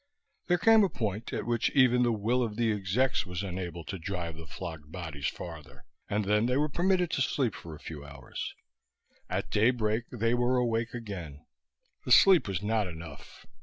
There came a point at which even the will of the execs was unable to drive the flogged bodies farther, and then they were permitted to sleep for a few hours. At daybreak they were awake again. The sleep was not enough.